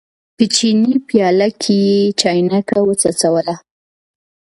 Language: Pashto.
په چیني پیاله کې یې چاینکه وڅڅوله.